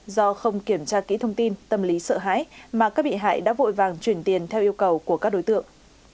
do không kiểm tra kỹ thông tin tâm lý sợ hãi mà các bị hại đã vội vàng chuyển tiền theo yêu cầu của các đối tượng